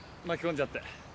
巻き込んじゃって。